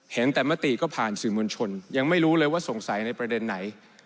เห็นแต่มติก็ผ่านสื่อมวลชนยังไม่รู้เลยว่าสงสัยในประเด็นไหน